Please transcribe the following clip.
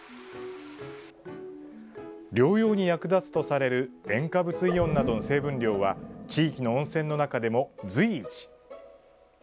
療養に役立つとされる塩化物イオンなどの成分量は地域の温泉の中でも随一。